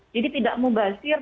jadi tidak mubasir